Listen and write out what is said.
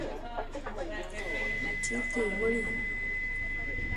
_نو چېرته يې وړې؟